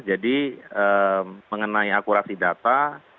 jadi mengenai akurasi data